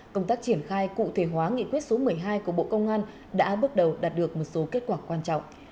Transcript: công tác triển khai cụ thể hóa nghị quyết số một mươi hai của bộ công an đã bước đầu đạt được một số kết quả quan trọng